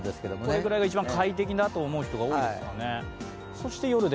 これぐらいが一番快適だと思う人が多いですからね。